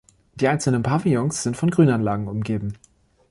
Die einzelnen Pavillons sind von Grünanlagen umgeben.